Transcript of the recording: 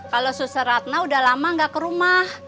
kalau susteratna udah lama enggak ke rumah